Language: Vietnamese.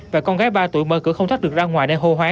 và con gái ba tuổi mơ cửa không thoát được ra ngoài để hô hoán